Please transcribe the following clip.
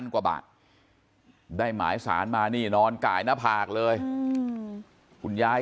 กว่าบาทได้หมายสารมานี่นอนไก่หน้าผากเลยคุณยาย